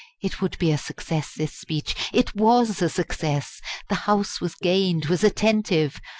It would be a success this speech it was a success! The House was gained, was attentive.